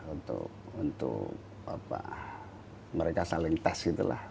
untuk mereka saling tes gitu lah